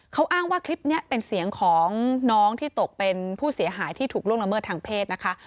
เขาอ้างว่าคลิปนี้เป็นเสียงของน้องที่ตกเป็นผู้เสียหายที่ถูกล่วงละเมิดทางเพศนะคะ